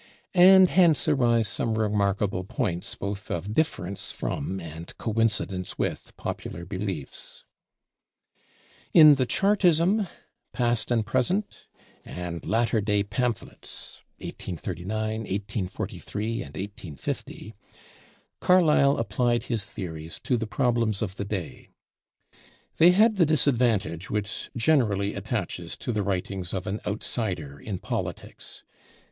And hence arise some remarkable points both of difference from and coincidence with popular beliefs. In the 'Chartism,' 'Past and Present,' and 'Latter Day Pamphlets' (1839, 1843, and 1850), Carlyle applied his theories to the problems of the day. They had the disadvantage which generally attaches to the writings of an outsider in politics.